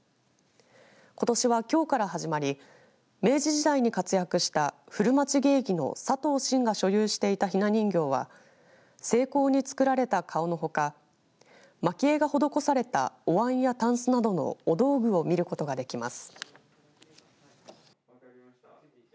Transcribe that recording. ことしは、きょうから始まり明治時代に活躍した古町芸妓の佐藤シンが所有していたひな人形は精巧に作られた顔のほかまき絵が施されたおわんやたんすなどのお道具を見ることができます。